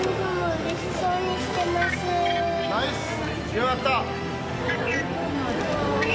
よかった！